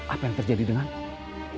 apa yang terjadi denganmu